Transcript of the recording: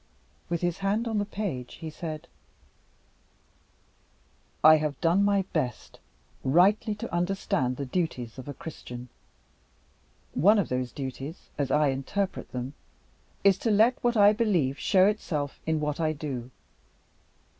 With his hand on the page, he said: "I have done my best rightly to understand the duties of a Christian. One of those duties, as I interpret them, is to let what I believe show itself in what I do.